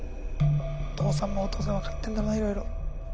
お父さんもお父さんで分かってるんだろうないろいろ。